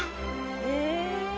へえ！